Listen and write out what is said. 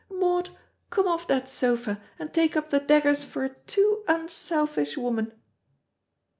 Maud, come off that sofa, and take up the daggers for a too unselfish woman."